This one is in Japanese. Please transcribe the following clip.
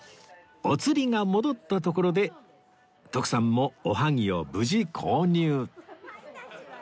お釣りが戻ったところで徳さんもおはぎを無事購入